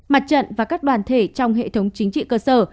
mặt trận và các đoàn thể trong hệ thống chính trị cơ sở